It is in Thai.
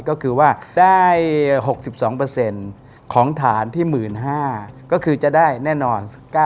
ก็คือว่าได้๖๒ของฐานที่๑๕๐๐ก็คือจะได้แน่นอน